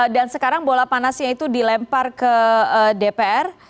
dan sekarang bola panasnya itu dilempar ke dpr